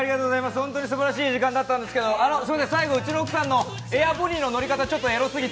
本当にすばらしい時間だったんですけど、最後うちの奥さんのエアポニーの乗り方、ちょっとエロすぎて。